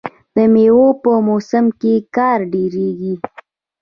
د میوو په موسم کې کار ډیریږي.